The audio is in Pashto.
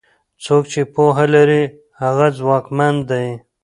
څوک چې پوهه لري هغه ځواکمن دی.